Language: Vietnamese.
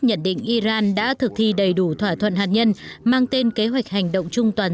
nhận định iran đã thực thi đầy đủ thỏa thuận hạt nhân mang tên kế hoạch hành động chung toàn